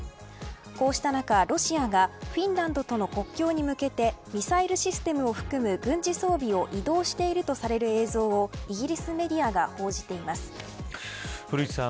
こうした中、ロシアがフィンランドとの国境に向けてミサイルシステムを含む軍事装備を移動しているとされる映像をイギリスメディアが古市さん